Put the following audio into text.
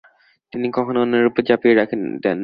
তিনি কখনও অন্যের উপর চাপিয়ে দেননি।